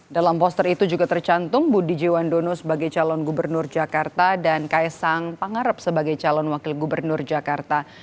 dalam poster itu juga tercantum budi jiwandono sebagai calon gubernur jakarta dan kaisang pangarep sebagai calon wakil gubernur jakarta